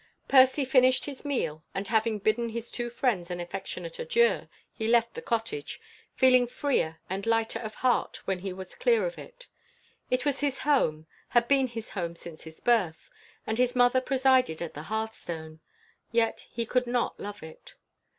Percy finished his meal, and having bidden his two friends an affectionate adieu, he left the cottage, feeling freer and lighter of heart when he was clear of it. It was his home had been his home since his birth, and his mother presided at the hearthstone, yet he could not love it.